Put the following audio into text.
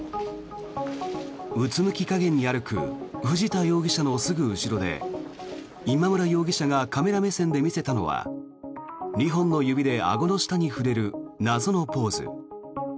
うつむき加減に歩く藤田容疑者のすぐ後ろで今村容疑者がカメラ目線で見せたのは２本の指であごの下に触れる謎のポーズ。